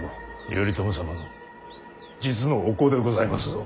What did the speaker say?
頼朝様の実のお子でございますぞ。